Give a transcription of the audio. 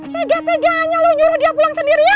tega tegaannya lo nyuruh dia pulang sendirian